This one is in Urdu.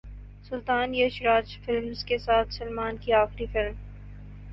سلطان یش راج فلمز کے ساتھ سلمان کی اخری فلم